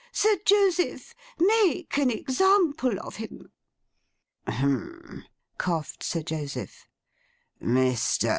Sir Joseph! Make an example of him!' 'Hem!' coughed Sir Joseph. 'Mr.